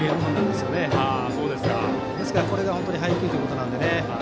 ですから、これが本当に配球っていうことなんでね。